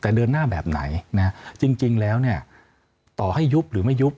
แต่เดินหน้าแบบไหนนะจริงแล้วเนี่ยต่อให้ยุบหรือไม่ยุบ